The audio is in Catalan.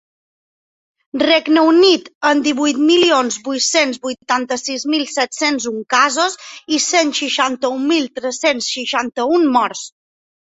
Regne Unit, amb divuit milions vuit-cents vuitanta-sis mil set-cents un casos i cent seixanta-un mil tres-cents seixanta-un morts.